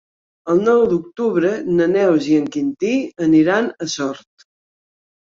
El nou d'octubre na Neus i en Quintí aniran a Sort.